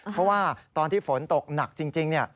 เพราะว่าตอนที่ฝนตกหนักจริง